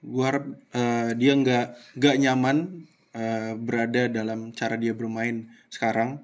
gue harap dia nggak nyaman berada dalam cara dia bermain sekarang